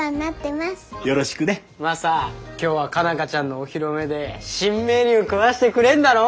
マサ今日は佳奈花ちゃんのお披露目で新メニュー食わしてくれんだろ？